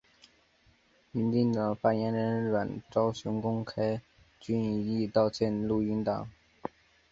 民进党发言人阮昭雄公开邱毅道歉录音档。